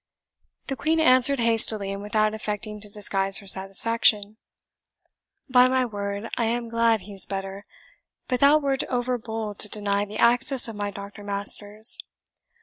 The Queen answered hastily, and without affecting to disguise her satisfaction, "By my word, I am glad he is better. But thou wert over bold to deny the access of my Doctor Masters.